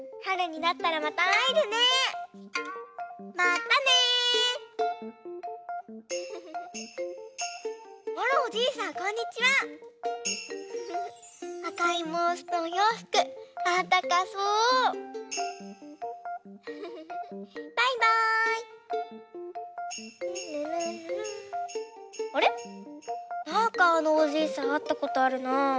なんかあのおじいさんあったことあるなあ。